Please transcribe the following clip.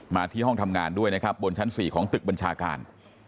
ที่ห้องทำงานด้วยนะครับบนชั้น๔ของตึกบัญชาการ